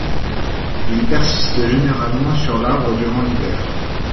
Ils persistent généralement sur l'arbre durant l'hiver.